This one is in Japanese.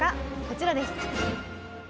こちらです。